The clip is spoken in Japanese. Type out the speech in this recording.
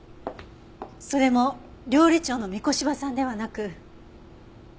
それも料理長の御子柴さんではなく。